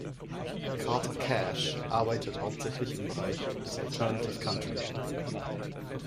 Carter Cash arbeitet hauptsächlich im Bereich des Alternative-Country.